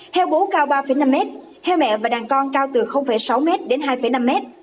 heo bố cao ba năm mét heo mẹ và đàn con cao từ sáu mét đến hai năm mét